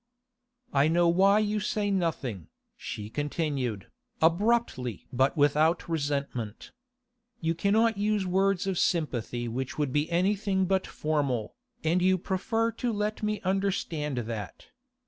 'I know why you say nothing,' she continued, abruptly but without resentment. 'You cannot use words of sympathy which would be anything but formal, and you prefer to let me understand that.